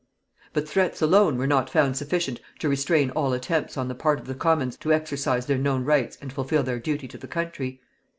But threats alone were not found sufficient to restrain all attempts on the part of the commons to exercise their known rights and fulfil their duty to the country.